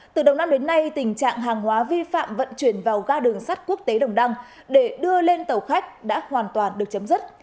từ đầu năm đến nay tình trạng hàng hóa vi phạm vận chuyển vào ga đường sắt quốc tế đồng đăng để đưa lên tàu khách đã hoàn toàn được chấm dứt